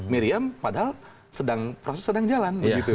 miriam padahal proses sedang jalan